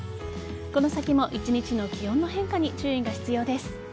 この先も、一日の気温の変化に注意が必要です。